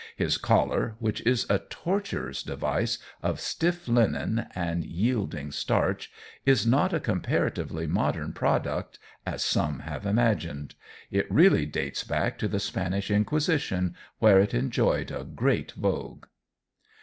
His collar, which is a torturer's device of stiff linen and yielding starch, is not a comparatively modern product as some have imagined. It really dates back to the Spanish Inquisition where it enjoyed a great vogue.